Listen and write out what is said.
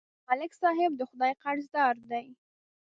ملک صاحب د خدای قرضدار دی.